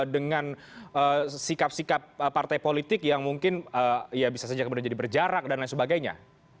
dengan sikap sikap partai politik yang mungkin ya bisa saja kemudian jadi berjarak dan lain sebagainya